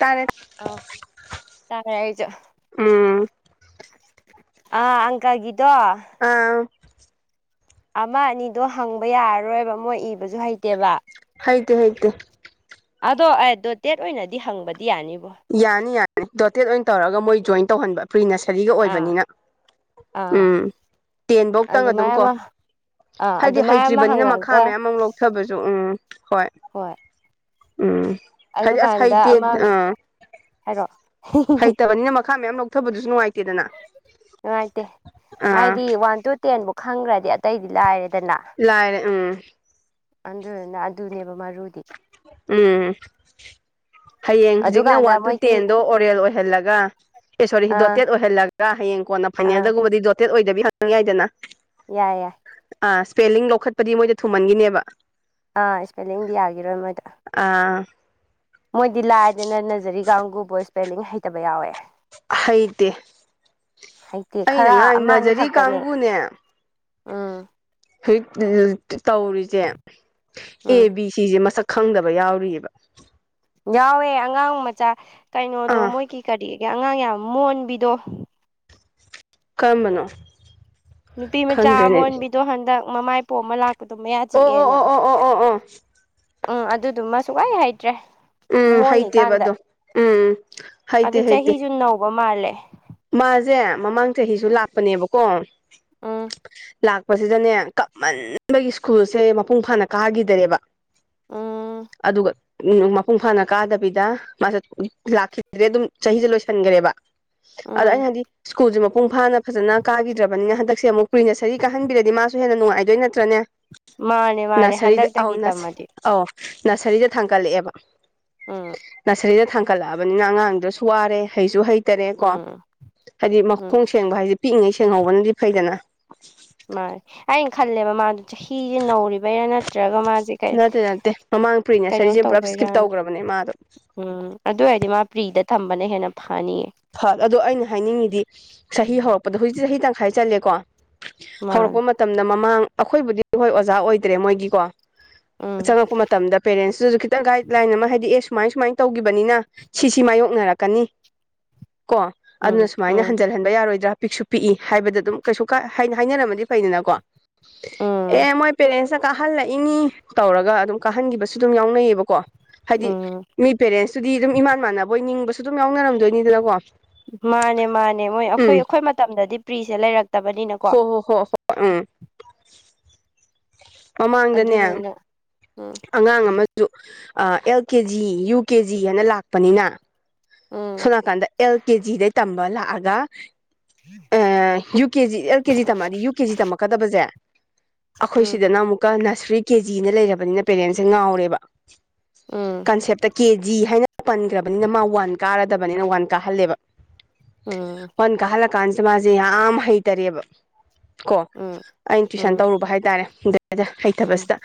ꯇꯥꯔꯦ ꯑꯣ ꯊꯥꯔꯦ ꯑꯩꯖꯨ ꯎꯝ ꯑꯥ ꯑꯪꯀꯒꯤꯗꯣ ꯑꯥ ꯑꯃ ꯑꯅꯤꯗꯣ ꯍꯪꯕ ꯌꯥꯔꯔꯣꯏꯕ ꯃꯣꯏ ꯏꯕꯖꯨ ꯍꯩꯇꯦꯕ ꯍꯩꯇꯦ ꯍꯩꯇꯦ ꯑꯗꯣ ꯑꯩꯗꯣ ꯗꯦꯠ ꯑꯣꯏꯅꯗꯤ ꯍꯪꯕꯗꯤ ꯌꯥꯅꯤꯕꯣ ꯌꯥꯅꯤ ꯌꯥꯅꯤ ꯗꯣꯇꯦꯠ ꯑꯣꯏꯅ ꯇꯧꯔꯒ ꯃꯣꯏ ꯖꯣꯏꯟ ꯇꯧꯍꯟꯕ ꯄ꯭ꯔꯤꯅꯁꯔꯤꯒ ꯑꯥ ꯑꯣꯏꯕꯅꯤꯅ ꯑꯥ ꯎꯝ ꯇꯦꯟꯕꯧꯇꯪ ꯑꯗꯨꯝ ꯑꯗꯨꯃꯥꯏ ꯀꯣ ꯑꯃ ꯑꯥ ꯍꯥꯏꯗꯤ ꯑꯗꯨꯃꯥꯏ ꯑꯃ ꯍꯩꯇ꯭ꯔꯤꯕꯅꯤꯅ ꯃꯈꯥ ꯍꯪꯉꯒ ꯃꯌꯥꯝ ꯑꯃ ꯂꯧꯊꯕꯁꯨ ꯎꯝ ꯍꯣꯏ ꯎꯝ ꯍꯥꯏꯗꯤ ꯑꯁ ꯑꯗꯨꯀꯥꯟꯗ ꯍꯩꯇꯦ ꯑꯃ ꯑ ꯍꯥꯏꯔꯛꯑꯣ ꯍꯩꯇꯕꯅꯤꯅ ꯃꯈꯥ ꯃꯌꯥꯝ ꯂꯧꯊꯕꯗꯨꯁꯨ ꯅꯨꯡꯉꯥꯏꯇꯦꯗꯅ ꯅꯨꯡꯉꯥꯏꯇꯦ ꯑꯥ ꯍꯥꯏꯗꯤ ꯋꯥꯟ ꯇꯨ ꯇꯦꯟꯕꯧ ꯈꯪꯈ꯭ꯔꯗꯤ ꯑꯇꯩꯗꯤ ꯂꯥꯏꯔꯦꯗꯅ ꯂꯥꯏꯔꯦ ꯎꯝ ꯑꯗꯨꯅ ꯑꯗꯨꯅꯦꯕ ꯃꯔꯨꯗꯤ ꯎꯝ ꯍꯌꯦꯡ ꯍꯨꯖꯤꯛꯅ ꯑꯗꯨꯀꯥꯟꯗ ꯋꯥꯟ ꯇꯨ ꯃꯣꯏꯒꯤ ꯇꯦꯟꯗꯣ ꯑꯣꯔꯦꯜ ꯑꯣꯏꯍꯜꯂꯒ ꯑꯦ ꯁꯣꯔꯤ ꯑꯥ ꯗꯣꯇꯦꯠ ꯑꯣꯏꯍꯜꯂꯒ ꯍꯌꯦꯡ ꯀꯣꯟꯅ ꯑꯥ ꯐꯥꯏꯅꯦꯜꯗꯒꯨꯝꯕꯗꯤ ꯗꯣꯇꯦꯠ ꯑꯣꯏꯗꯕꯤ ꯍꯪ ꯌꯥꯏꯗꯅ ꯌꯥꯏ ꯌꯥꯏ ꯑ ꯏꯁ꯭ꯄꯦꯂꯤꯡ ꯂꯧꯈꯠꯄꯗꯤ ꯃꯣꯏꯗ ꯊꯨꯃꯟꯒꯤꯅꯦꯕ ꯑꯥ ꯏꯁꯄꯦꯂꯤꯡꯗꯤ ꯌꯥꯒꯤꯔꯣꯏ ꯃꯣꯏꯗ ꯑꯥ ꯃꯣꯏꯗꯤ ꯂꯥꯏꯔꯗꯅ ꯅꯖꯔꯤ ꯀꯟꯒꯨꯕꯧ ꯏꯁꯄꯦꯂꯤꯡ ꯍꯩꯇꯕ ꯌꯥꯎꯋꯦ ꯍꯩꯇꯦ ꯍꯩꯇꯦ ꯑꯩꯅ ꯈꯔ ꯉꯥꯏ ꯑꯃ ꯑꯅꯤ ꯅꯖꯔꯤ ꯈꯛꯇꯅꯦ ꯀꯥꯡꯕꯨꯅꯦ ꯎꯝ ꯍꯧꯖꯤꯛ ꯇ ꯇꯧꯔꯤꯖꯦ ꯎꯝ ꯑꯦ ꯕꯤ ꯁꯤꯖꯦ ꯃꯁꯛ ꯈꯪꯗꯕ ꯌꯥꯎꯔꯤꯑꯕ ꯌꯥꯎꯋꯦ ꯑꯉꯥꯡ ꯃꯆꯥ ꯀꯩꯅꯣꯗꯣ ꯑꯥ ꯃꯣꯏꯒꯤ ꯀꯔꯤꯒꯦ ꯑꯉꯥꯡ ꯌꯥꯝ ꯃꯣꯟꯕꯤꯗꯣ ꯀꯔꯝꯕꯅꯣ ꯅꯨꯄꯤ ꯃꯆꯥ ꯈꯪꯗ꯭ꯔꯦꯅꯦ ꯑꯃꯣꯟꯕꯤꯗꯣ ꯍꯟꯗꯛ ꯃꯃꯥꯏ ꯄꯣꯝꯃ ꯂꯥꯛꯄꯗꯣ ꯃꯌꯥ ꯑꯣ ꯑꯣ ꯆꯤꯛꯑꯦꯅ ꯑꯣ ꯑꯣ ꯑꯣ ꯑꯣ ꯑꯣ ꯎꯝ ꯑꯗꯨꯗꯨꯃ ꯁꯨꯡꯍꯩ ꯍꯩꯇ꯭ꯔꯦ ꯎꯝ ꯍꯩꯇꯦꯕ ꯃꯣꯜꯂꯤꯀꯥꯟꯗ ꯑꯗꯣ ꯎꯝ ꯑꯗꯨ ꯆꯍꯤꯖꯨ ꯅꯧꯕ ꯃꯥꯜꯂꯦ ꯃꯥꯖꯦ ꯃꯃꯥꯡ ꯆꯍꯤꯖꯨ ꯎꯝ ꯂꯥꯛꯄꯅꯦꯕꯀꯣ ꯎꯝ ꯂꯥꯛꯄꯁꯤꯗꯅꯦ ꯀꯞꯃꯟꯕꯒꯤ ꯁ꯭ꯀꯨꯜꯁꯦ ꯃꯄꯨꯡ ꯐꯥꯅ ꯀꯥꯒꯤꯗꯔꯦꯕ ꯎꯝ ꯑꯗꯨꯒ ꯎꯝ ꯃꯄꯨꯡ ꯐꯥꯅ ꯀꯥꯗꯕꯤꯗ ꯃꯥꯁꯦ ꯂꯥꯛꯈꯤꯗ꯭ꯔꯦ ꯑꯗꯨꯝ ꯆꯍꯤꯖꯦ ꯂꯣꯏꯁꯟꯒꯔꯦꯕ ꯑꯗ ꯎꯝ ꯑꯩꯅ ꯍꯥꯏꯗꯤ ꯏꯁ ꯁ꯭ꯀꯨꯜꯁꯦ ꯃꯄꯨꯡ ꯐꯥꯅ ꯐꯖꯅ ꯀꯥꯒꯤꯗ꯭ꯔꯕꯅꯤꯅ ꯀꯨꯜꯖꯦ ꯃꯄꯨꯡ ꯐꯥꯅ ꯐꯖꯅ ꯀꯥꯒꯤꯗ꯭ꯔꯕꯅꯤꯅ ꯍꯟꯗꯛꯁꯦ ꯑꯃꯨꯛ ꯄ꯭ꯔꯤ ꯅꯔꯁꯔꯤ ꯀꯥꯍꯟꯕꯤꯔꯗꯤ ꯃꯥꯁꯨ ꯍꯦꯟꯅ ꯅꯨꯡꯉꯥꯏꯗꯣꯏ ꯅꯠꯇ꯭ꯔꯅꯦ ꯃꯥꯅꯦ ꯃꯥꯅꯦ ꯅꯁꯔꯤꯗ ꯑꯥꯎ ꯍꯟꯗꯛꯇꯒꯤ ꯅꯁ ꯇꯝꯃꯗꯤ ꯑꯥꯎ ꯅꯁꯔꯤꯗ ꯊꯥꯡꯀꯠꯂꯛꯑꯦꯕ ꯎꯝ ꯅꯁꯔꯤꯗ ꯊꯪ ꯀꯠꯂꯛꯑꯕꯅꯤꯅ ꯑꯉꯥꯡꯗꯁꯨ ꯋꯥꯔꯦ ꯍꯩꯁꯨ ꯍꯩꯇꯔꯦ ꯀꯣ ꯎꯝ ꯍꯥꯏꯗꯤ ꯎꯝ ꯃꯈꯣꯡ ꯁꯦꯡꯕ ꯍꯥꯏꯁꯦ ꯄꯤꯛꯏꯉꯩ ꯁꯦꯡꯍꯧꯕꯅꯗꯤ ꯐꯩꯗꯅ ꯃꯥꯏ ꯑꯩꯅ ꯈꯜꯂꯦꯕ ꯃꯥꯗꯣ ꯆꯍꯤꯖꯦ ꯅꯧꯔꯤꯕꯩꯔ ꯅꯠ ꯅꯠꯇ꯭ꯔꯒ ꯃꯥꯖꯦ ꯀꯩ ꯅꯠꯇꯦ ꯅꯠꯇꯦ ꯃꯃꯥꯡ ꯄ꯭ꯔꯤ ꯀꯩꯅꯣ ꯅꯁꯔꯤꯁꯦ ꯄꯨꯂꯞ ꯁ꯭ꯀꯤꯞ ꯇꯧꯕꯩꯔꯥꯅ ꯇꯧꯈ꯭ꯔꯕꯅꯦ ꯃꯥꯗꯣ ꯎꯝ ꯑꯗꯨꯑꯣꯏꯗꯤ ꯃꯥ ꯄ꯭ꯔꯤꯗ ꯊꯝꯕꯅ ꯍꯦꯟꯅ ꯐꯅꯤꯌꯦ ꯐ ꯑꯗꯣ ꯑꯩꯅ ꯍꯥꯏꯅꯤꯡꯉꯤꯗꯤ ꯆꯍꯤ ꯍꯧꯔꯛꯄꯗ ꯍꯧꯖꯤꯛꯇꯤ ꯆꯍꯤ ꯇꯪꯈꯥꯏ ꯆꯜꯂꯦꯀꯣ ꯍꯧꯔꯛꯄ ꯃꯥꯅꯦ ꯃꯇꯝꯗ ꯃꯃꯥꯡ ꯑꯈꯣꯏꯕꯨꯗꯤ ꯍꯣꯏ ꯑꯣꯖꯥ ꯑꯣꯏꯗ꯭ꯔꯦ ꯃꯣꯏꯒꯤꯀꯣ ꯎꯝ ꯆꯪꯉꯛꯄ ꯃꯇꯝꯗ ꯄꯦꯔꯦꯟꯁꯇꯨꯖꯨ ꯈꯤꯇꯪ ꯒꯥꯏꯗꯂꯥꯏꯟ ꯑꯃ ꯍꯥꯏꯗꯤ ꯑꯦ ꯁꯨꯃꯥꯏ ꯁꯨꯃꯥꯏ ꯇꯧꯒꯤꯕꯅꯤꯅ ꯁꯤꯁꯤ ꯃꯥꯏꯌꯣꯛꯅꯔꯛꯀꯅꯤ ꯀꯣ ꯑꯗꯨꯅ ꯎꯝ ꯁꯨꯃꯥꯏꯅ ꯎꯝ ꯍꯟꯖꯜ ꯍꯟꯕ ꯌꯥꯔꯣꯏꯗ꯭ꯔꯥ ꯄꯤꯛꯁꯨ ꯄꯤꯛꯏ ꯍꯥꯏꯕꯗ ꯑꯗꯨꯝ ꯀꯩꯁꯨ ꯀꯥꯏ ꯍꯥꯏ ꯍꯥꯏꯅꯔꯝꯃꯗꯤ ꯐꯩꯗꯅꯀꯣ ꯎꯝ ꯑꯦ ꯃꯣꯏ ꯄꯦꯔꯦꯟꯁ ꯆ ꯀꯥꯍꯜꯂꯛꯏꯅꯤ ꯇꯧꯔꯒ ꯑꯗꯨꯝ ꯀꯥꯍꯟꯒꯤꯕꯁꯨ ꯑꯗꯨꯝ ꯌꯥꯎꯅꯩꯌꯦꯕꯀꯣ ꯍꯥꯏꯗꯤ ꯎꯝ ꯃꯤ ꯄꯦꯔꯦꯟꯁꯇꯨꯗꯤ ꯑꯗꯨꯝ ꯏꯃꯥꯟ ꯃꯥꯟꯅꯕꯣꯏ ꯅꯤꯡꯕꯁꯨ ꯑꯗꯨꯝ ꯌꯥꯎꯅꯔꯝꯗꯣꯏꯅꯤꯗꯅꯀꯣ ꯃꯥꯅꯦ ꯃꯥꯅꯦ ꯃꯣꯏ ꯎꯝ ꯑꯈꯣꯏ ꯑꯈꯣꯏ ꯃꯇꯝꯗꯗꯤ ꯄ꯭ꯔꯤꯁꯦ ꯂꯩꯔꯛ ꯍꯣ ꯍꯣ ꯍꯣ ꯍꯣ ꯎꯝ ꯃꯃꯥꯡꯗꯅꯦ ꯑꯗꯨꯗꯨꯅ ꯎꯝ ꯑꯉꯥꯡ ꯑꯃ ꯖꯨ ꯑ L K G U K G ꯑꯅ ꯂꯥꯛꯄꯅꯤꯅ ꯎꯝ ꯁꯣꯝ ꯅꯥꯀꯥꯟꯗ ꯑꯦꯜ ꯀꯦ ꯖꯤ ꯗꯩ ꯇꯝꯕ ꯂꯥꯛꯑꯒ ꯑ ꯌꯨ ꯀꯦꯖꯤ ꯑꯦꯜ ꯀꯦꯖꯤ ꯇꯝꯃꯛꯑꯗꯤ ꯌꯨ ꯀꯦ ꯖꯤ ꯇꯝꯃꯛꯀꯗꯕꯖꯦ ꯑꯈꯣꯏ ꯎꯝ ꯁꯤꯗꯅ ꯑꯃꯨꯛꯀ ꯅꯁꯔꯤ ꯀꯦ ꯖꯤꯅ ꯂꯩꯔꯕꯅꯤꯅ ꯄꯦꯔꯦꯟꯁꯁꯦ ꯉꯥꯎꯔꯦꯕ ꯎꯝ ꯀꯟꯁꯦꯞꯇ ꯀꯦ ꯖꯤ ꯍꯥꯏꯅ ꯄꯟꯒ꯭ꯔꯕꯅꯤꯅ ꯃꯥ ꯋꯥꯟ ꯀꯥꯔꯗꯕꯅꯦꯅ ꯋꯥꯟ ꯀꯥꯍꯜꯂꯦꯕ ꯎꯝ ꯋꯥꯟ ꯀꯥꯍꯜꯂ ꯀꯥꯟꯖꯤꯗ ꯃꯥꯖꯦ ꯌꯥꯝ ꯍꯩꯇꯔꯦꯕ ꯀꯣ ꯎꯝ ꯑꯩꯅ ꯇꯨꯏꯁꯟ ꯎꯝ ꯇꯧꯔꯨꯕ ꯍꯥꯏꯇꯥꯔꯦ ꯑꯗꯩꯗ ꯍꯩꯇꯕꯁꯤꯗ ꯎꯝ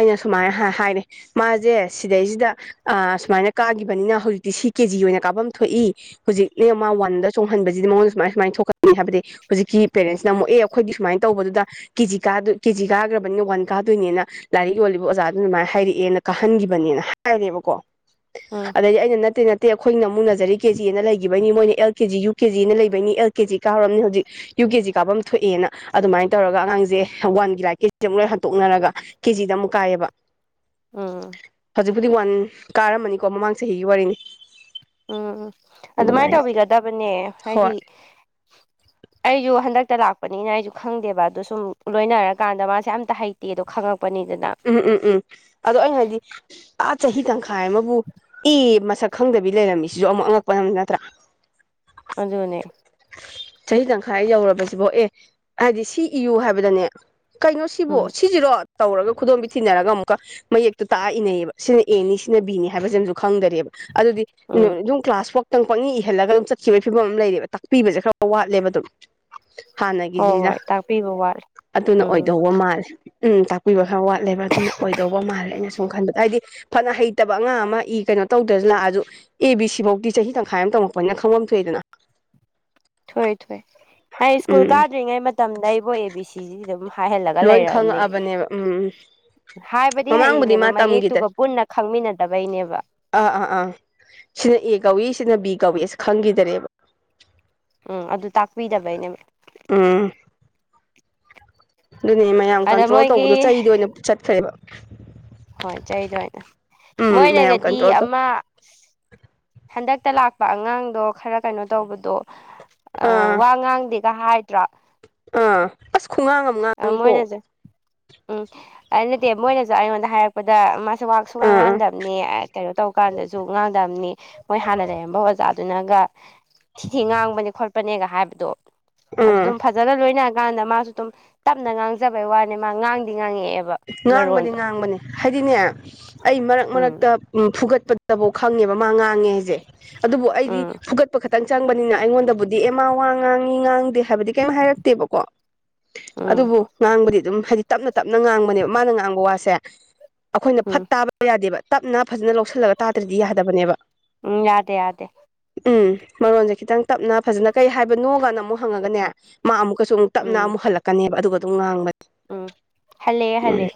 ꯑꯩꯅ ꯁꯨꯃꯥꯏꯅ ꯍꯥ ꯍꯥꯏꯔꯦ ꯃꯥꯖꯦ ꯁꯤꯗꯩꯁꯤꯗ ꯑꯥ ꯁꯨꯃꯥꯏꯅ ꯀꯥꯒꯤꯕꯅꯤꯅ ꯍꯧꯖꯤꯛꯇꯤ ꯁꯤ ꯀꯦꯖꯤ ꯑꯣꯏꯅ ꯀꯥꯕꯝ ꯊꯣꯛꯏ ꯍꯨꯖꯤꯛꯅꯦ ꯃꯥ ꯋꯥꯟꯗ ꯆꯣꯡ ꯍꯟꯕꯖꯤꯗ ꯃꯉꯣꯟꯗ ꯁꯨꯃꯥꯏ ꯁꯨꯃꯥꯏ ꯊꯣꯛꯀꯅꯤ ꯍꯥꯏꯕꯗꯤ ꯍꯨꯖꯤꯛꯀꯤ ꯄꯦꯔꯦꯟꯁꯅ ꯑꯃꯨꯛ ꯑꯦ ꯑꯈꯣꯏꯗꯤ ꯁꯨꯃꯥꯏꯅ ꯇꯧꯕꯗꯨꯗ ꯀꯦꯖꯤ ꯀꯥꯗꯣꯏ ꯀꯦꯖꯤ ꯀꯥꯒ꯭ꯔꯕꯅꯤꯅ ꯋꯥꯟ ꯀꯥꯗꯣꯏꯅꯦꯅ ꯂꯥꯏꯔꯤꯛ ꯌꯣꯜꯂꯤꯕ ꯑꯣꯖꯥꯗꯨꯅ ꯑꯗꯨꯃꯥꯏ ꯍꯥꯏꯔꯛꯑꯦꯅ ꯀꯥꯍꯟꯒꯤꯕꯅꯦꯅ ꯍꯥꯏꯔꯦꯕꯀꯣ ꯎꯝ ꯑꯗꯩꯗꯤ ꯑꯩꯅ ꯅꯠꯇꯦ ꯅꯠ ꯑꯈꯣꯏꯒꯤꯅ ꯑꯃꯨꯛ ꯅꯖꯔꯤ ꯀꯦ ꯖꯤ ꯑꯅ ꯂꯩꯒꯤꯕꯩꯅꯤ ꯃꯣꯏꯅ L K G U K G ꯑꯅ ꯂꯩꯕꯩꯅꯤ ꯑꯦꯜ ꯀꯦ ꯖꯤ ꯀꯥ ꯍꯧꯔꯝꯅꯤ ꯍꯧꯖꯤꯛ ꯌꯨ ꯀꯦꯖꯤ ꯀꯥꯕꯝ ꯊꯣꯛꯑꯦꯅ ꯑꯗꯨꯃꯥꯏ ꯇꯧꯔꯒ ꯑꯉꯥꯡꯖꯦ ꯋꯥꯟꯒꯤ ꯂꯥꯏꯔꯤꯛ ꯀꯩꯖꯦ ꯑꯃꯨꯛ ꯂꯣꯏ ꯍꯟꯇꯣꯛꯅꯔꯒ ꯀꯦꯖꯤꯗ ꯑꯃꯨꯛ ꯀꯥꯏꯌꯦꯕ ꯎꯝ ꯍꯧꯖꯤꯛꯄꯨꯗꯤ ꯋꯥꯟ ꯀꯥꯔꯝꯃꯅꯤꯀꯣ ꯃꯃꯥꯡ ꯆꯍꯤꯒꯤ ꯋꯥꯔꯤꯅꯤ ꯎꯝ ꯎꯝ ꯑꯗꯨꯃꯥꯏꯅ ꯇꯧꯕꯤꯒꯗꯕꯅꯦ ꯍꯥꯏꯗꯤ ꯍꯣꯏ ꯑꯩꯁꯨ ꯍꯟꯗꯛꯇ ꯂꯥꯛꯄꯅꯤꯅ ꯑꯩꯁꯨ ꯈꯪꯗꯦꯕ ꯑꯗꯨ ꯁꯨꯝ ꯂꯣꯏꯅꯔꯀꯥꯟꯗ ꯃꯥꯁꯦ ꯑꯝꯇ ꯍꯩ ꯇꯤꯗ‌ꯣ ꯈꯪꯉꯛꯄꯅꯤꯗꯅ ꯎꯝ ꯎꯝ ꯎꯝ ꯑꯗꯣ ꯑꯩꯅ ꯍꯥꯏꯗꯤ ꯑꯥ ꯆꯍꯤ ꯇꯪꯈꯥꯏ ꯑꯃꯕꯨ ꯑꯦ ꯃꯁꯛ ꯈꯪꯗꯕꯤ ꯂꯩꯔꯝꯃꯤꯁꯤꯁꯨ ꯑꯃꯨꯛ ꯑꯉꯛꯄꯅꯤ ꯅꯠꯇ꯭ꯔꯥ ꯑꯗꯨꯅꯦ ꯆꯍꯤ ꯇꯪꯈꯥꯏ ꯌꯧꯔꯕꯁꯤꯕꯧ ꯑꯦ ꯍꯥꯏꯗꯤ ꯁꯤ ꯏꯌꯨ ꯍꯥꯏꯕꯗꯅꯦ ꯀꯩꯅꯣ ꯁꯤꯕꯨ ꯎꯝ ꯁꯤꯁꯤꯔꯣ ꯇꯧꯔꯒ ꯈꯨꯗꯣꯝꯕꯤ ꯊꯤꯟꯅꯔꯒ ꯑꯃꯨꯛꯀ ꯃꯌꯦꯛꯇꯨ ꯇꯥꯛꯑ ꯏꯅꯩꯌꯦꯕ ꯁꯤꯅ ꯑꯦꯅꯤ ꯁꯤꯅ ꯕꯤꯅꯤ ꯍꯥꯏꯕ ꯁꯤꯃꯁꯨ ꯈꯪꯗꯔꯤꯌ‌ꯦꯕ ꯑꯗꯨꯗꯤ ꯎꯝ ꯑꯗꯨꯝ ꯀ꯭ꯂꯥꯁ ꯐꯧꯇꯪ ꯄꯪꯏ ꯏꯍꯜꯂꯒ ꯑꯗꯨꯝ ꯆꯠꯈꯤꯕꯒꯤ ꯐꯤꯕꯝ ꯑꯃ ꯂꯩꯌ‌ꯦꯕ ꯇꯥꯛꯄꯤꯕꯁꯦ ꯈꯔ ꯋꯥꯠꯂꯦꯕ ꯑꯗꯨꯝ ꯍꯣꯏ ꯍꯥꯟꯅꯒꯤꯁꯤꯅ ꯍꯣꯏ ꯇꯥꯛꯄꯤꯕ ꯋꯥꯠꯂꯦ ꯑꯗꯨꯅ ꯎꯝ ꯑꯣꯏꯗꯧꯕ ꯃꯥꯜꯂꯦ ꯎꯝ ꯇꯥꯛꯄꯤꯕ ꯈꯔ ꯋꯥꯠꯂꯦꯕ ꯑꯗꯨꯅ ꯑꯣꯏꯗꯧꯕ ꯃꯥꯜꯂꯦ ꯑꯩꯅ ꯁꯨꯝ ꯈꯟꯕꯗ ꯍꯥꯏꯗꯤ ꯐꯅ ꯍꯩꯇꯕ ꯑꯉꯥꯡ ꯑꯃ ꯏ ꯀꯩꯅꯣ ꯇꯧꯗ꯭ꯔꯁꯨ ꯂꯥꯛꯑꯁꯨ ꯑꯦ ꯕꯤ ꯁꯤ ꯐꯥꯎꯗꯤ ꯆꯍꯤ ꯇꯪꯈꯥꯏ ꯑꯃ ꯇꯝꯃꯛꯄꯅꯤꯅ ꯈꯪꯐꯝ ꯊꯣꯛꯑꯦꯗꯅ ꯊꯣꯛꯑꯦ ꯊꯣꯛꯑꯦ high school um ꯀꯥꯗ꯭ꯔꯤꯉꯩ ꯃꯇꯝꯗꯩꯕꯧ A B C ꯁꯤꯗꯤ ꯑꯗꯨꯝ ꯍꯥꯏꯍꯜꯂꯒ ꯂꯣꯏ ꯂꯩꯔꯕꯅꯤ ꯈꯪꯉꯛꯑꯕꯅꯦꯕ ꯎꯝ ꯎꯝ ꯍꯥꯏꯕꯗꯤ ꯃꯃꯥꯡꯕꯨꯗꯤ ꯍꯩꯔꯤꯅꯦꯕ ꯃꯥ ꯇꯝꯈꯤꯗ꯭ꯔꯦ ꯃꯌꯦꯛꯇꯨꯒ ꯄꯨꯟꯅ ꯈꯪꯃꯤꯟꯅꯗꯕꯩꯅꯦꯕ ꯑꯥ ꯑꯥ ꯑꯥ ꯁꯤꯅ ꯑꯦ ꯀꯧꯏ ꯁꯤꯅ ꯕꯤ ꯀꯧꯏ ꯁꯨ ꯈꯪꯈꯤꯗꯔꯦꯕ ꯎꯝ ꯑꯗꯨ ꯇꯥꯛꯄꯤꯗꯕꯩꯅꯦꯕ ꯎꯝ ꯑꯗꯨꯅꯦ ꯃꯌꯥꯝ ꯑꯗ ꯀꯟꯇ꯭ꯔꯣꯜ ꯇꯧꯕꯗꯣ ꯃꯣꯏꯒꯤ ꯆꯩꯗ ꯑꯣꯏꯅ ꯆꯠꯈ꯭ꯔꯦꯕ ꯍꯣꯏ ꯆꯩꯗ ꯑꯣꯏꯅ ꯎꯝ ꯃꯌꯥꯝ ꯃꯣꯏꯅꯒꯗꯤ ꯀꯟꯇ꯭ꯔꯣꯜ ꯇꯧ ꯑꯃ ꯍꯟꯗꯛꯇ ꯂꯥꯛꯄ ꯑꯉꯥꯡꯗꯣ ꯈꯔ ꯀꯩꯅꯣ ꯇꯧꯕꯗꯣ ꯑ ꯑꯥ ꯋꯥ ꯉꯥꯡꯗ‌ꯦꯒ ꯍꯥꯏꯗ꯭ꯔꯣ ꯑꯥ ꯑꯁ ꯈꯨꯉꯥꯡ ꯑꯃ ꯑ ꯉꯥꯡꯉꯤꯀꯣ ꯃꯣꯏꯅꯁꯨ ꯎꯝ ꯑꯗꯨꯅ‌ꯦ ꯃꯣꯏꯅꯁꯨ ꯑꯩꯉꯣꯟꯗ ꯍꯥꯏꯔꯛꯄꯗ ꯋꯥ ꯁꯨꯡꯉꯥꯡ ꯑꯥ ꯑꯥ ꯉꯥꯡꯗꯕꯅ‌ꯦ ꯑꯥ ꯀꯩꯅꯣ ꯇꯧ ꯀꯥꯟꯗꯁꯨ ꯉꯥꯡꯗꯕꯅꯤ ꯃꯣꯏ ꯍꯥꯟꯅ ꯂꯩꯔꯝꯕ ꯑꯣꯖꯥ ꯗꯨꯅꯒ ꯊꯤꯊꯤ ꯉꯥꯡꯕꯅꯦ ꯈꯣꯠꯄꯅꯦꯒ ꯍꯥꯏꯕꯗꯣ ꯎꯝ ꯑꯗꯨꯗꯨꯝ ꯐꯖ ꯐꯖꯅ ꯂꯣꯏꯅꯔ ꯀꯥꯟꯗ ꯃꯥꯁꯨ ꯑꯗꯨꯝ ꯇꯞꯅ ꯉꯥꯡꯖꯕꯩ ꯋꯥꯅꯦ ꯃꯥ ꯉꯥꯡꯗꯤ ꯉꯥꯡꯉꯛꯑꯦꯕ ꯉꯥꯡꯕꯅꯤ ꯃꯔꯣꯟꯗꯣ ꯉꯥꯡꯕꯅꯤ ꯍꯥꯏꯗꯤꯅꯦ ꯑꯩ ꯃꯔꯛ ꯃꯔꯛꯇ ꯎꯝ ꯐꯨꯒꯠꯄꯗꯐꯥꯎ ꯈꯪꯉꯦꯕ ꯃꯥ ꯉꯥꯡꯉꯦꯁꯦ ꯑꯗꯨꯕꯨ ꯑꯩꯗꯤ ꯎꯝ ꯐꯨꯒꯠꯄ ꯈꯛ ꯈꯛꯇꯪ ꯆꯪꯕꯅꯤꯅ ꯑꯩꯉꯣꯟꯗꯕꯨꯗꯤ ꯑꯦ ꯃꯥ ꯋꯥ ꯉꯥꯡꯉꯤ ꯉꯥꯡꯗꯦ ꯍꯥꯏꯕꯗꯤ ꯀꯩꯝ ꯍꯥꯏꯔꯛꯇꯦꯕꯀꯣ ꯎꯝ ꯑꯗꯨꯕꯨ ꯉꯥꯡꯕꯗꯤ ꯑꯗꯨꯝ ꯍꯥꯏꯗꯤ ꯇꯞꯅ ꯇꯞꯅ ꯉꯥꯡꯕꯅꯦꯕ ꯃꯥꯅ ꯉꯥꯡꯕ ꯋꯥꯁꯦ ꯑꯩꯈꯣꯏꯅ ꯎꯝ ꯐꯠ ꯇꯥꯕ ꯌꯥꯗꯦꯕ ꯇꯞꯅ ꯐꯖꯅ ꯂꯧꯁꯤꯜꯂꯒ ꯇꯥꯗ꯭ꯔꯗꯤ ꯌꯥꯗꯕꯅꯦꯕ ꯎꯝ ꯌꯥꯗꯦ ꯌꯥꯗꯦ ꯎꯝ ꯃꯔꯣꯟꯁꯦ ꯈꯤꯇꯪ ꯇꯞꯅ ꯐꯖꯅ ꯀꯩ ꯍꯥꯏꯕꯅꯣ ꯀꯥꯏꯅ ꯑꯃꯨꯛ ꯍꯪꯉꯒꯅꯦ ꯍꯣꯏ ꯃꯥ ꯑꯃꯨꯛꯀꯁꯨ ꯑꯃꯨꯛ ꯇꯞꯅ ꯎꯝ ꯑꯃꯨꯛ ꯍꯜꯂꯛꯀꯅꯦꯕ ꯑꯗꯨꯒ ꯑꯗꯨꯝ ꯉꯥꯡꯕꯅꯦ ꯍꯜꯂꯦ ꯍꯜꯂꯦ ꯎꯝ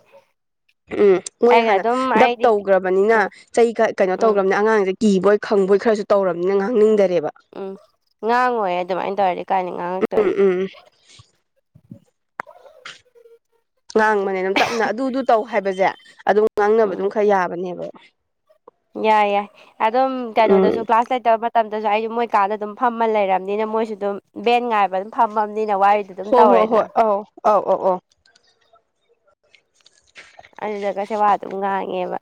ꯎꯝ ꯃꯣꯏꯅ ꯍꯥꯟꯅ ꯗꯞ ꯑꯩꯗꯤ ꯇꯧꯈ꯭ꯔꯕꯅꯤꯅ ꯎꯝ ꯆꯩꯒ ꯀꯩꯅꯣ ꯎꯝ ꯇꯧꯈ꯭ꯔꯕꯅꯤꯅ ꯑꯉꯥꯡꯁꯦ ꯀꯤꯕꯣꯏ ꯈꯪꯕꯣꯏ ꯈꯔꯁꯨ ꯇꯧꯔꯕꯅꯤꯅ ꯉꯥꯡꯅꯤꯡꯗꯔꯦꯕ ꯎꯝ ꯉꯥꯡꯉꯣꯏ ꯑꯗꯨꯃꯥꯏꯅ ꯇꯧꯔꯗꯤ ꯀꯥꯏꯗꯩ ꯎꯝ ꯉꯥꯡꯉꯛꯇꯣꯏꯅ‌ꯣ ꯎꯝ ꯉꯥꯡꯕꯅꯦ ꯑꯗꯨꯝ ꯇꯞꯅ ꯑꯗꯨꯗꯨ ꯇꯧ ꯍꯥꯏꯕꯁꯦ ꯑꯗꯨꯝ ꯉꯥꯡꯅꯕ ꯎꯝ ꯑꯗꯨꯝ ꯈꯔ ꯌꯥꯕꯅꯦꯕ ꯌꯥꯏ ꯌꯥꯏ ꯑꯗꯨꯝ ꯎꯝ ꯀꯩꯅꯣꯗꯁꯨ ꯀ꯭ꯂꯥꯁ ꯂꯩꯇꯕ ꯃꯇꯝꯗꯁꯨ ꯑꯩꯁꯨ ꯃꯣꯏ ꯀꯥꯗ ꯑꯗꯨꯝ ꯐꯝꯃ ꯂꯩꯔꯕꯅꯤꯅ ꯃꯣꯏꯁꯨ ꯑꯗꯨꯝ ꯚꯦꯟ ꯉꯥꯏꯕ ꯐꯝꯃꯅꯤꯅ ꯋꯥꯔꯤꯗꯨ ꯑꯗꯨꯝ ꯍꯣꯏ ꯍꯣꯏ ꯇꯧꯔꯦꯗꯅ ꯍꯣꯏ ꯑꯧ ꯑꯧ ꯑꯧ ꯑꯣ ꯑꯩꯅ ꯖꯒꯁꯦ ꯋꯥꯠ ꯑꯗꯨꯝ ꯉꯥꯡꯉꯦꯕ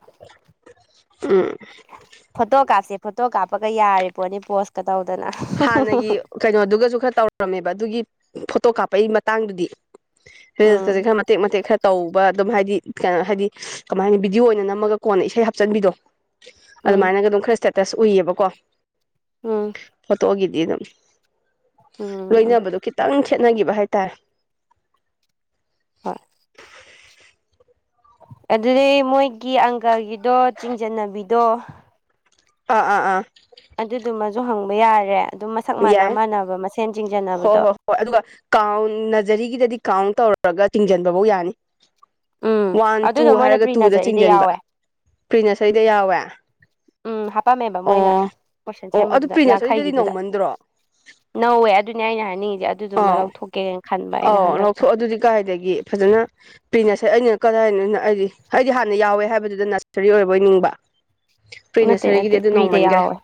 ꯎꯝ ꯐꯣꯇꯣ ꯀꯥꯞꯁꯦ ꯐꯣꯇꯣ ꯀꯥꯞꯄꯒ ꯌꯥꯔꯤ ꯄꯣꯠꯅꯤ ꯄꯣꯁꯀ ꯇꯧꯗꯅ ꯍꯥꯟꯅꯒꯤ ꯀꯩꯅꯣꯗꯨꯒꯁꯨ ꯈꯔ ꯇꯧꯔꯝꯃꯦꯕ ꯑꯗꯨꯒꯤ ꯐꯣꯇꯣ ꯀꯥꯞꯄꯩ ꯃꯇꯥꯡꯗꯨꯗꯤ ꯎꯝ ꯔꯤꯜꯁꯀꯁꯦ ꯈꯔ ꯃꯇꯦꯛ ꯃꯇꯦꯛ ꯈꯔ ꯇꯧꯕ ꯑꯗꯨꯝ ꯍꯥꯏꯗꯤ ꯀꯩꯅꯣ ꯍꯥꯏꯗꯤ ꯀꯃꯥꯏ ꯍꯥꯏꯅꯤ ꯕꯤꯗꯤꯑꯣ ꯑꯣꯏꯅ ꯅꯝꯃꯒ ꯀꯣꯟꯅ ꯏꯁꯩ ꯍꯥꯞꯆꯤꯟꯕꯤꯗꯣ ꯎꯝ ꯑꯗꯨꯃꯥꯏꯅꯒ ꯑꯗꯨꯝ ꯈꯔ ꯏꯁꯇꯦꯇꯁ ꯎꯏꯌꯦꯕꯀꯣ ꯎꯝ ꯐꯣꯇꯣꯒꯤꯗꯤ ꯑꯗꯨꯝ ꯎꯝ ꯂꯣꯏꯅꯕꯗꯣ ꯈꯤꯇꯪ ꯈꯦꯠꯅꯒꯤꯕ ꯍꯥꯏꯇꯥꯔꯦ ꯍꯣꯏ ꯑꯗꯨꯗꯤ ꯃꯣꯏꯒꯤ ꯑꯪꯀꯒꯤꯗꯣ ꯆꯤꯡꯖꯟꯅꯕꯤꯗꯣ ꯑꯥ ꯑꯥ ꯑꯥ ꯑꯗꯨꯗꯨꯃꯖꯨ ꯍꯪꯕ ꯌꯥꯔꯦ ꯑꯗꯨꯝ ꯃꯁꯛ ꯃꯥꯟꯅ ꯌꯥꯏ ꯃꯥꯟꯅꯕ ꯃꯁꯦꯟ ꯍꯣꯏ ꯆꯤꯡꯖꯟꯅꯕꯗꯣ ꯍꯣꯏ ꯍꯣꯏ ꯑꯗꯨꯒ ꯀꯥꯎꯟ ꯅꯖꯔꯤꯒꯤꯗꯗꯤ ꯀꯥꯎꯟ ꯇꯧꯔꯒ ꯆꯤꯡꯖꯟꯕꯕꯧ ꯌꯥꯅꯤ ꯎꯝ ꯋꯥꯟ ꯇꯨ ꯑꯗꯨꯗꯣ ꯃꯣꯏꯅ ꯍꯥꯏꯔꯒ ꯄ꯭ꯔꯤ ꯇꯨꯗ ꯅꯖꯔꯤꯗ ꯆꯤꯡꯖꯟꯕ ꯌꯥꯎꯋꯦ ꯄ꯭ꯔꯤꯅꯁꯔꯤꯗ ꯌꯥꯎꯋꯦ ꯎꯝ ꯍꯥꯞꯄꯝꯃꯦꯕ ꯃꯣꯏꯅ ꯑꯣ ꯀꯣꯏꯁꯟ ꯑꯣ ꯑꯗꯨ ꯁꯦꯝꯕꯗꯨꯗ ꯄ꯭ꯔꯤ ꯅꯁꯔꯤꯗꯗꯤ ꯌꯥꯡꯈꯩꯒꯤꯗꯨꯗ ꯅꯧꯃꯟꯗ꯭ꯔꯣ ꯅꯧꯋꯦ ꯑꯗꯨꯅꯦ ꯑꯩꯅ ꯍꯥꯏꯅꯤꯡꯉꯤꯖꯦ ꯑꯗꯨꯗꯨꯃ ꯂꯧꯊꯣꯛꯀꯦ ꯑꯧ ꯂꯧꯊꯣꯛꯑꯣ ꯑꯗꯨꯗꯤ ꯀꯥꯏꯗꯒꯤ ꯐꯖꯅ ꯄ꯭ꯔꯤꯅꯁ ꯑꯩꯅ ꯀꯗꯥꯏ ꯑꯩꯗꯤ ꯑꯩꯗꯤ ꯍꯥꯟꯅ ꯌꯥꯎꯋꯦ ꯍꯥꯏꯕꯗꯨꯗ ꯅꯁꯔꯤ ꯑꯣꯏꯔꯕꯣꯏꯅꯤꯡꯕ ꯅꯠꯇꯦ ꯄ꯭ꯔꯤꯅꯁꯔꯤꯒꯤꯗꯤ ꯅꯠꯇꯦ ꯑꯗꯨ ꯄ꯭ꯔꯤꯗ ꯅꯧꯃꯟꯒ꯭ꯔꯦ ꯌꯥꯎꯋꯦ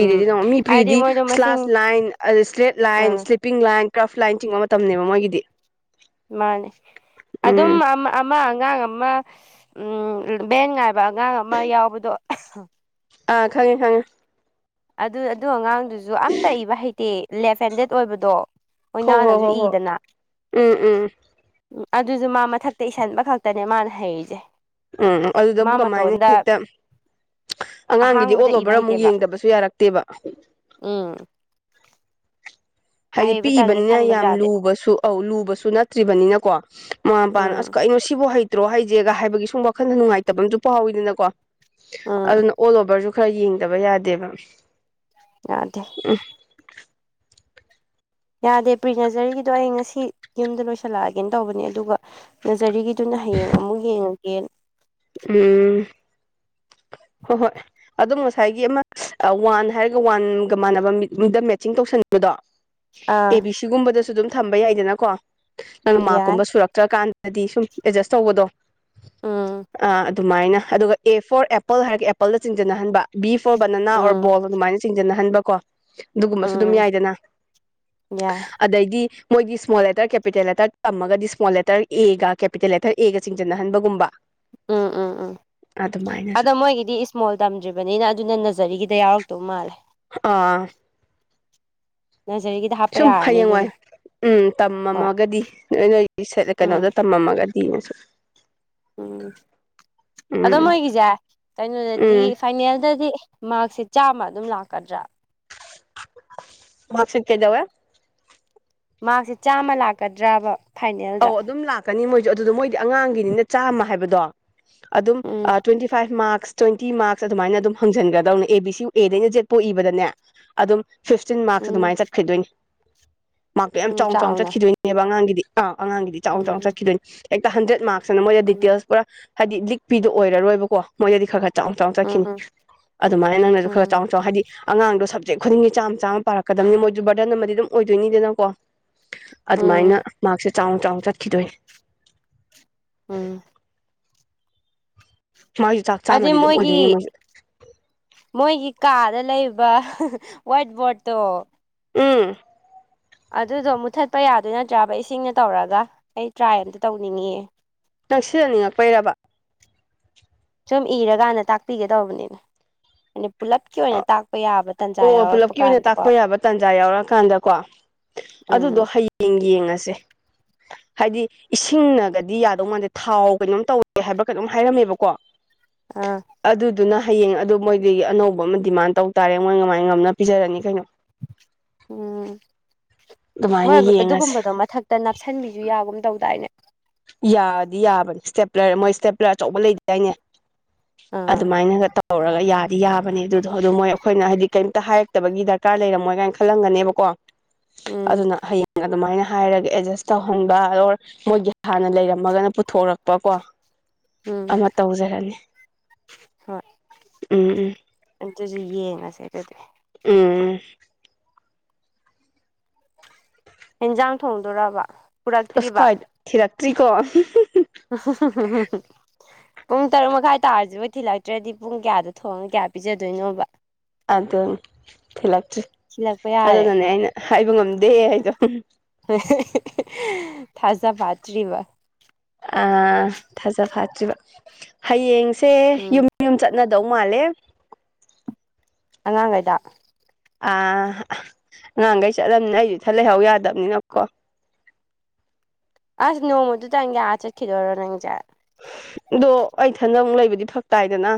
ꯎꯝ ꯅꯣꯝ ꯃꯤ ꯍꯥꯏꯗꯤ ꯄ꯭ꯔꯤꯗꯤ ꯃꯣꯏꯗꯣ ꯃꯁꯤꯡ ꯁ꯭ꯂꯥꯁ ꯂꯥꯏꯟ ꯑ ꯏꯁꯇ꯭ꯔꯦꯠ ꯂꯥꯏꯟ ꯑꯥ ꯄꯤꯡ ꯂꯥꯏꯟ ꯀ꯭ꯔꯐ ꯂꯥꯏꯟ ꯆꯤꯡꯕ ꯃꯇꯝꯅꯦꯕ ꯃꯣꯏꯒꯤꯗꯤ ꯃꯥꯅꯦ ꯑꯗꯨꯝ ꯎꯝ ꯑꯝ ꯑꯃ ꯑꯉꯥꯡ ꯑꯃ ꯎꯝ ꯕꯦꯟ ꯉꯥꯏ ꯕ ꯑꯉꯥꯡ ꯑꯃ ꯌꯥꯎꯕꯗꯣ ꯑꯥ ꯈꯪꯉꯦ ꯈꯪꯉꯦ ꯑꯗꯨ ꯑꯗꯨ ꯑꯉꯥꯡꯗꯨꯖꯨ ꯑꯝꯇ ꯏꯕ ꯍꯩꯇꯦ ꯂꯦꯐ ꯍꯦꯟꯗꯦꯠ ꯑꯣꯏꯕꯗꯣ ꯍꯣ ꯍꯣ ꯑꯣꯏꯅꯥꯅꯖꯨ ꯍꯣ ꯍꯣ ꯏꯗꯅ ꯎꯝ ꯎꯝ ꯎꯝ ꯑꯗꯨꯖꯨ ꯃꯥ ꯃꯊꯛꯇ ꯏꯁꯟꯕ ꯈꯛꯇꯅꯦ ꯃꯥꯅ ꯍꯩꯔꯤꯁꯦ ꯎꯝ ꯃꯥ ꯑꯗꯨꯗꯕꯨ ꯀꯃꯥꯏꯅ ꯃꯇꯣꯟꯗ ꯍꯦꯛꯇ ꯑꯉꯥꯡꯒꯤꯗꯤ ꯑꯍꯥꯡꯕꯗ ꯑꯣꯜ ꯏꯕ ꯑꯣꯕ꯭ꯔ ꯑꯃꯨꯛ ꯍꯩꯇꯦꯕ ꯌꯦꯡꯗꯕꯁꯨ ꯌꯥꯔꯛ ꯇꯦꯕ ꯎꯝ ꯍꯥꯏꯗꯤ ꯑꯍꯩꯕꯇꯪꯅꯤ ꯄꯤꯛꯏꯕꯅꯤꯅ ꯈꯟꯕꯁꯨ ꯌꯥꯝ ꯌꯥꯗꯦ ꯂꯨꯕꯁꯨ ꯑꯧ ꯂꯨꯕꯁꯨ ꯅꯠꯇ꯭ꯔꯤꯕꯅꯤꯅꯀꯣ ꯃꯃꯥ ꯃꯄꯥꯅ ꯎꯝ ꯑꯁ ꯀꯩꯅꯣ ꯁꯤꯕꯧ ꯍꯩ ꯭ꯇ꯭ꯔꯣ ꯍꯩꯖꯦꯒ ꯍꯥꯏꯕꯒꯤ ꯁꯨꯝ ꯋꯥꯈꯟꯗ ꯅꯨꯡꯉꯥꯏꯇꯕꯝꯖꯨ ꯐꯥꯎꯋꯤꯗꯅꯀꯣ ꯎꯝ ꯑꯗꯨꯅ ꯑꯣꯜ ꯑꯣꯕ꯭ꯔꯖꯨ ꯈꯔ ꯌꯦꯡꯗꯕ ꯌꯥꯗꯦꯕ ꯌꯥꯗꯦ ꯎꯝ ꯌꯥꯗꯦ ꯄ꯭ꯔꯤꯅꯖꯔꯤꯒꯤꯗꯣ ꯑꯩ ꯉꯁꯤ ꯌꯨꯝꯗ ꯂꯣꯏꯁꯤꯜꯂꯛꯑꯒꯦꯅ ꯇꯧꯕꯅꯦ ꯑꯗꯨꯒ ꯅꯖꯔꯤꯒꯤ ꯇꯨꯅ ꯍꯌꯦꯡ ꯑꯃꯨꯛ ꯌꯦꯡꯉꯒꯦ ꯎꯝ ꯍꯣ ꯍꯣꯏ ꯑꯗꯨꯝ ꯉꯁꯥꯏꯒꯤ ꯑꯃ ꯋꯥꯟ ꯍꯥꯏꯔꯒ ꯋꯥꯟꯒ ꯃꯥꯟꯅꯕ ꯃꯤꯠ ꯃꯤꯗꯝ ꯃꯦꯠꯆꯤꯡ ꯇꯧꯁꯟꯅꯤꯡꯕꯗꯣ ꯑꯥ ꯑꯦ ꯕꯤ ꯁꯤꯒꯨꯝꯕꯗꯁꯨ ꯑꯗꯨꯝ ꯊꯝꯕ ꯌꯥꯏꯗꯅꯀꯣ ꯅꯪꯅ ꯌꯥꯏ ꯃꯥꯛꯀꯨꯝꯕ ꯁꯨꯔꯛ ꯅꯠꯇ꯭ꯔꯀꯥꯟꯗꯗꯤ ꯁꯨꯝ ꯑꯦꯠꯖꯁ ꯇꯧꯕꯗꯣ ꯎꯝ ꯑ ꯑꯗꯨꯃꯥꯏꯅ ꯑꯗꯨꯒ ꯑꯦ ꯐꯣꯔ ꯑꯦꯄꯜ ꯍꯥꯏꯔꯒ ꯑꯦꯄꯜꯗ ꯆꯤꯡꯖꯟꯅꯍꯟꯕ B for banana or um ball ꯑꯗꯨꯃꯥꯏꯅ ꯆꯤꯡꯖꯟꯅꯍꯟꯕ ꯀꯣ ꯑꯗꯨꯒꯨꯝꯕꯁꯨ ꯑꯗꯨꯝ ꯎꯝ ꯌꯥꯏꯗꯅ ꯌꯥꯏ ꯑꯗꯩꯗꯤ ꯃꯣꯏꯗꯤ ꯁ꯭ꯃꯣꯜ ꯂꯦꯇ꯭ꯔ ꯀꯦꯄꯤꯇꯦꯜ ꯂꯦꯇ꯭ꯔ ꯇꯝꯃꯒꯗꯤ ꯁ꯭ꯃꯣꯜ ꯂꯦꯇ꯭ꯔ ꯑꯦꯒ ꯀꯦꯄꯤꯇꯦꯜ ꯂꯦꯇ꯭ꯔ ꯑꯦꯒꯥ ꯆꯤꯡꯖꯟꯅꯍꯟꯕꯒꯨꯝꯕ ꯎꯝ ꯎꯝ ꯎꯝ ꯑꯗꯨꯃꯥꯏꯅꯁꯨ ꯑꯗꯣ ꯃꯣꯏꯒꯤꯗꯤ ꯏꯁꯃꯣꯜ ꯇꯝꯗ꯭ꯔꯤꯕꯅꯤꯅ ꯑꯗꯨꯅ ꯅꯖꯥꯔꯤꯒꯤꯗꯥ ꯌꯥꯎꯔꯛꯇꯧ ꯃꯥꯜꯂꯦ ꯑꯥ ꯅꯖꯥꯔꯤ ꯁꯨꯝ ꯍꯌꯦꯡꯋꯥꯏ ꯎꯝ ꯍꯣꯏ ꯇꯝꯃꯝꯃꯥꯒꯥꯗꯤ ꯅꯣꯏ ꯅꯣꯏꯒꯤ ꯎꯝ ꯀꯩꯅꯣꯗꯥ ꯇꯝꯃꯝꯃꯥꯒꯥꯗꯤ [unintelligible] ꯎꯝ ꯑꯗꯣ ꯎꯝ ꯃꯣꯏꯒꯤꯁꯦ ꯀꯩꯅꯣꯗꯥꯗꯤ ꯎꯝ ꯐꯥꯏꯅꯦꯜꯗꯥꯗꯤ ꯃꯥꯛꯁꯦ ꯆꯥꯝꯃ ꯑꯗꯨꯝ ꯂꯥꯛꯀꯥꯗ꯭ꯔꯥ ꯃꯥꯛꯁꯤꯠ ꯀꯩꯗꯧꯋꯦ ꯃꯥꯛꯁꯦ ꯆꯥꯝꯃ ꯂꯥꯛꯀꯗ꯭ꯔꯕ ꯐꯥꯏꯅꯦꯜꯗ ꯑꯧ ꯑꯗꯨꯝ ꯂꯥꯛꯀꯅꯤ ꯃꯣꯏꯁꯨ ꯑꯗꯨꯗꯣ ꯃꯣꯏꯗꯤ ꯑꯉꯥꯡꯒꯤꯅꯤꯅ ꯆꯥꯝꯃ ꯍꯥꯏꯕꯗꯣ ꯑꯗꯨꯝ ꯎꯝ twenty five marks twenty marks ꯑꯗꯨꯃꯥꯏꯅ ꯑꯗꯨꯝ ꯍꯪꯖꯟꯒꯥꯗꯧꯅꯦ ꯑꯦ ꯕꯤ ꯁꯤ ꯑꯦꯗꯩꯅ ꯖꯦꯠ ꯄꯣꯛꯏꯕꯗꯅꯦ ꯑꯗꯨꯝ ꯐꯤꯐꯇꯤꯟ ꯃꯥꯔꯛꯁ ꯎꯝ ꯑꯗꯨꯃꯥꯏꯅ ꯆꯠꯈꯤꯗꯣꯏꯅꯤ ꯃꯥꯔꯛꯇꯣ ꯌꯥꯝ ꯆꯥꯎꯅ ꯆꯥꯎꯅ ꯆꯠꯈꯤꯗꯣꯏꯅꯦꯕ ꯑꯉꯥꯡꯒꯤꯗꯤ ꯑꯥꯎ ꯑꯉꯥꯡꯒꯤꯗꯤ ꯆꯥꯎ ꯆꯥꯎ ꯎꯝ ꯆꯠꯈꯤꯗꯣꯏꯅꯤ ꯍꯦꯛꯇꯥ ꯍꯟꯗ꯭ꯔꯦꯗ ꯃꯥꯔꯛꯁꯅ ꯃꯣꯏꯗ ꯎꯝ ꯗꯤꯇꯦꯜꯁ ꯄꯨꯔꯥ ꯍꯥꯏꯗꯤ ꯂꯤꯛꯄꯤꯗꯣ ꯑꯣꯏꯔꯔꯣꯏꯕꯀꯣ ꯃꯣꯏꯗꯗꯤ ꯈꯔ ꯈꯔ ꯆꯥꯎꯅ ꯆꯥꯎꯅ ꯎꯝ ꯆꯠꯈꯤꯅꯤ ꯎꯝ ꯑꯗꯨꯃꯥꯏꯅ ꯅꯪꯅꯁꯨ ꯈꯔ ꯎꯝ ꯆꯥꯎꯅ ꯆꯥꯎ ꯍꯥꯏꯗꯤ ꯑꯉꯥꯡꯗꯣ ꯁꯞꯖꯦꯛ ꯈꯨꯗꯤꯡꯒꯤ ꯆꯥꯝ ꯆꯥꯝꯃ ꯄꯥꯔꯛꯀꯥꯗꯕꯅꯤ ꯃꯣꯏꯗꯨ ꯕꯔꯗꯟ ꯑꯃꯗꯤ ꯑꯗꯨꯝ ꯑꯣꯏꯗꯣꯏꯅꯤꯗꯅꯀꯣ ꯑꯗꯨꯃꯥꯏꯅ ꯎꯝ ꯃꯥꯔꯛꯁꯦ ꯆꯥꯎ ꯆꯥꯎꯅ ꯆꯠꯈꯤꯗꯣꯏꯅꯦ ꯎꯝ [unintelligible] ꯑꯗꯩ ꯃꯣꯏꯒꯤ ꯑꯣꯏꯗꯣꯏꯅꯤ ꯃꯣꯏꯁꯨ ꯃꯣꯏꯒꯤ ꯀꯥꯗ ꯂꯩꯕ ꯋꯥꯏꯠ ꯕꯣꯔꯠꯇꯣ ꯎꯝ ꯑꯗꯨꯗꯣ ꯃꯨꯊꯠꯄ ꯌꯥꯗꯣꯏ ꯅꯠꯇ꯭ꯔꯥꯕ ꯏꯁꯤꯡꯅ ꯇꯧꯔꯒꯥ ꯑꯩ ꯇ꯭ꯔꯥꯏ ꯑꯝꯇꯥ ꯇꯧꯅꯤꯡꯉꯤꯌꯦ ꯅꯪ ꯁꯤꯌꯥꯅꯤꯡꯉꯛꯄꯩꯔꯕ ꯁꯨꯝ ꯏꯔꯀꯥꯟꯗꯥ ꯇꯥꯛꯄꯤꯒꯦ ꯗꯧꯕꯅꯤꯗꯥ ꯏꯅ ꯄꯨꯂꯞꯀꯤ ꯑꯣꯏꯅ ꯇꯥꯛꯄ ꯌꯥꯕ ꯇꯥꯟꯖꯥ ꯑꯣ ꯌꯥꯎꯔꯛꯄ ꯄꯨꯜꯂꯞꯀꯤ ꯑꯣꯏꯅ ꯀꯥꯟꯗꯀꯣ ꯇꯥꯛꯄ ꯌꯥꯕ ꯇꯥꯟꯖꯥ ꯌꯥꯎꯔꯀꯥꯟꯗꯀꯣ ꯑꯗꯨꯗꯣ ꯎꯝ ꯍꯩ ꯌꯦꯡ ꯌꯦꯡꯉꯁꯦ ꯍꯥꯏꯗꯤ ꯏꯁꯤꯡꯅꯒꯥꯗꯤ ꯌꯥꯗꯧ ꯃꯥꯟꯗꯦ ꯊꯥꯎ ꯀꯩꯅꯣꯝ ꯇꯧꯋꯦ ꯍꯥꯏꯕ꯭ꯔꯥ ꯀꯩꯅꯣꯝ ꯍꯥꯏꯔꯝꯃꯦꯕꯀꯣ ꯑꯥ ꯑꯗꯨꯗꯨꯅ ꯍꯌꯦꯡ ꯑꯗꯨ ꯃꯣꯏꯗꯤ ꯑꯅꯧꯕ ꯑꯃ ꯗꯤꯃꯥꯟ ꯇꯧ ꯇꯥꯔꯦ ꯃꯣꯏ ꯉꯃꯥꯏ ꯉꯝꯅ ꯄꯤꯖꯔꯅꯤ ꯀꯩꯅꯣ ꯎꯝ ꯃꯣꯏ ꯑꯗꯨꯃꯥꯏꯅ ꯌꯦꯡꯉꯁꯦ ꯑꯗꯨꯒꯨꯝꯕꯗꯣ ꯃꯊꯛ ꯇꯥ ꯅꯞꯁꯤꯟꯕꯤꯁꯨ ꯌꯥꯒꯨꯝ ꯇꯧꯗꯥꯏꯅꯦ ꯌꯥꯗꯤ ꯌꯥꯕꯅꯤ ꯁꯇꯦ꯭ꯞꯂꯔ ꯃꯣꯏ ꯏꯁꯇꯦ꯭ꯞꯂꯔ ꯑꯆꯧꯕ ꯂꯩꯒꯤꯗꯥꯏꯅꯦ ꯑꯥ ꯑꯗꯨꯃꯥꯏꯅꯒꯥ ꯇꯧ ꯇꯧꯔꯒꯥ ꯌꯥꯗꯤ ꯌꯥꯕꯅꯦ ꯑꯗꯨꯗꯣ ꯑꯗꯨꯗꯣ ꯃꯣꯏ ꯑꯩꯈꯣꯏꯅ ꯍꯥꯏꯗꯤ ꯀꯩꯝꯇꯥ ꯍꯥꯏꯔꯛꯇꯥꯕꯒꯤ ꯗꯔꯀꯥꯔ ꯂꯩꯔꯝꯃꯣꯏ ꯀꯥꯏꯅ ꯈꯜꯂꯝꯒꯅꯦꯕꯀꯣ ꯎꯝ ꯑꯗꯨꯅ ꯍꯌꯦꯡ ꯑꯗꯨꯃꯥꯏꯅ ꯍꯥꯏꯔꯒꯥ ꯑꯦꯗꯖꯁ ꯇꯧꯍꯟꯕ ꯑꯣꯔ ꯃꯣꯏꯒꯤ ꯍꯥꯟꯅ ꯂꯩꯔꯝꯃꯒꯥꯅ ꯄꯨꯊꯣꯔꯛꯄ ꯀꯣ ꯎꯝ ꯑꯃ ꯇꯧꯖꯔꯅꯤ ꯎꯝ ꯎꯝ ꯑꯗꯨꯗꯤ ꯌꯦꯡꯉꯥꯁꯦ ꯑꯗꯨꯗꯤ ꯎꯝ ꯍꯦꯟꯖꯥꯡ ꯊꯣꯡꯗꯣꯔꯕꯣ ꯑꯁ ꯈ꯭ꯋꯥꯏ ꯊꯤꯔꯛꯇ꯭ꯔꯤꯀꯣ [unintelligible] ꯄꯨꯡ ꯇꯔꯨꯛ ꯃꯈꯥꯏ ꯇꯥꯔꯁꯤꯕꯣꯏ ꯊꯤꯜꯂꯛꯇ꯭ꯔꯗꯤ ꯄꯨꯡ ꯀꯌꯥꯗꯥ ꯊꯣꯡꯉꯒꯥ ꯀꯌꯥ ꯄꯤꯖꯗꯣꯏꯅꯣꯕ ꯑꯗꯨ ꯊꯤꯂꯛꯇ꯭ꯔꯤ ꯊꯤꯜꯂꯛꯄ ꯌꯥꯔꯦ ꯑꯗꯨꯅꯅꯦ ꯑꯩꯅ ꯍꯥꯏꯕ ꯉꯝꯗꯦ ꯍꯩꯗꯣ [unintelligible] ꯊꯥꯖꯥ ꯐꯥꯇ꯭ꯔꯤꯕ ꯑꯥ ꯊꯥꯖ ꯐꯠꯇ꯭ꯔꯤꯕ ꯍꯌꯦꯡꯁꯦ ꯎꯝ ꯌꯨꯝ ꯌꯨꯝ ꯆꯠꯅꯗꯧ ꯃꯥꯜꯂꯦ ꯑꯉꯥꯡꯈꯩꯗ ꯑꯥ ꯑꯉꯥꯡꯈꯩ ꯆꯠꯂꯝꯅꯤꯅ ꯑꯩꯁꯨ ꯏꯊꯟ ꯂꯩꯍꯧ ꯌꯥꯗꯕꯅꯤꯅꯀꯣ꯫ ꯑꯁ ꯅꯣꯡꯃꯗꯨꯗꯪ ꯌꯥꯛꯑ ꯆꯠꯈꯤꯗꯣꯏꯔꯣ ꯅꯪꯁꯦ꯫ ꯑꯗꫭ ꯑꯩꯊꯟꯗ ꯑꯃꯨꯛ ꯂꯩꯕꯗꯤ ꯐꯥꯔꯛꯇꯥꯏꯗꯅ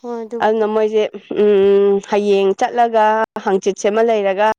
ꯍꯣꯏ ꯑꯗꯨꯕꯨꯗꯤ ꯑꯗꯨꯅ ꯃꯣꯏꯁꯦ꯫ ꯎꯝ ꯍꯌꯦꯡ ꯆꯠꯂꯒ ꯍꯪꯆꯤꯠꯁ‌ꯦꯃ ꯂꯩꯔꯒ꯫